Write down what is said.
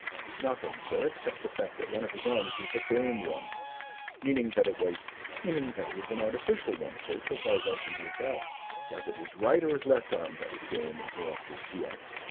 "Nothing, sir, except the fact that one of his arms was a game one." "Meaning that it was " "Meaning that it was an artificial one, sir, so far as I can make out." "Was it his right or his left arm that was game!" interrupted T. X.